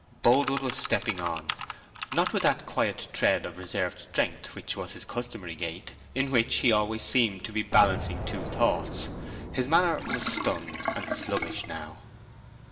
Boldwood was stepping on, not with that quiet tread of reserved strength which was his customary gait, in which he always seemed to be balancing two thoughts. His manner was stunned and sluggish now.